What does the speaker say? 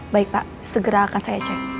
baik pak segera akan saya cek